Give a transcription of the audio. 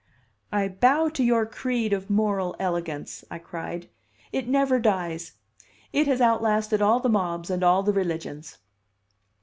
"I bow to your creed of 'moral elegance,'" I cried. "It never dies. It has outlasted all the mobs and all the religions."